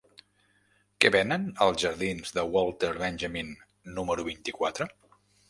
Què venen als jardins de Walter Benjamin número vint-i-quatre?